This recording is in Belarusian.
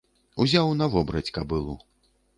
Узяў на вобраць кабылу.